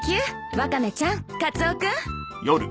ワカメちゃんカツオ君。